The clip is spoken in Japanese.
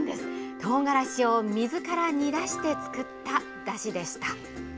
とうがらしを水から煮出して作っただしでした。